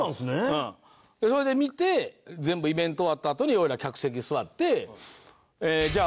それで見て全部イベント終わったあとに俺ら客席座って。